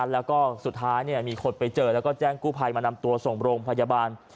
แล้วก็สุดท้ายมีคนไปเจอแล้วก็แจ้งกู้ภัยมานำตัวส่งโรงพยาบาล